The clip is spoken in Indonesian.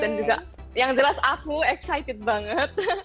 dan juga yang jelas aku excited banget